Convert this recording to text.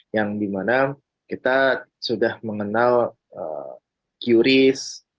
yang dimana kita sudah mengenal qris